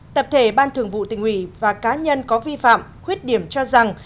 tập thể ban thường vụ tỉnh ủy và cá nhân có vi phạm khuyết điểm cho rằng